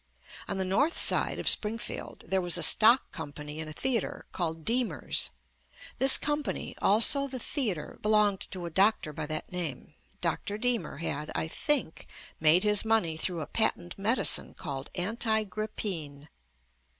On the north side of Springfield there was a stock company in a theatre called Diemer's. This company — also the theatre — belonged to a doctor by that name. Dr. Die mer had, I think, made his money through a patent medicine called Anti Grippine.